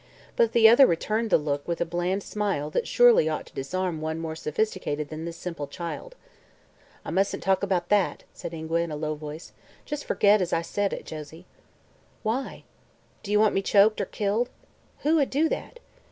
But the other returned the look with a bland smile that surely ought to disarm one more sophisticated than this simple child. "I mustn't talk 'bout that," said Ingua in a low voice. "Jes' fergit as I said it, Josie." "Why?" "Do ye want me choked, or killed?" "Who would do that?"